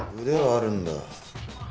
腕はあるんだ。